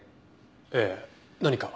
ええ何か？